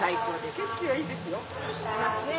景色はいいですよ。